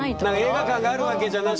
映画館があるわけじゃなしに。